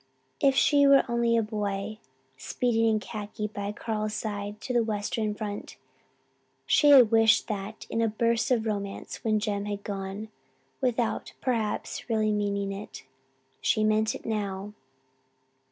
If she were only a boy, speeding in khaki by Carl's side to the Western front! She had wished that in a burst of romance when Jem had gone, without, perhaps, really meaning it. She meant it now.